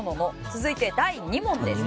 続いて第２問です。